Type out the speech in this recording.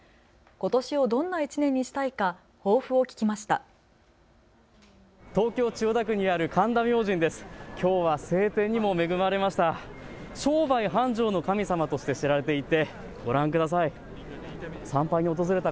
ことしをどんな１年にしたいか抱負を聞きました。